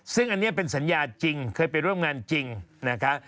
ซึ่งอันนี้เป็นสัญญาจริงเคยไปร่วมงานจริงนะคะ